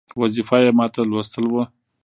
وظیفه یې ماته لوستل وه.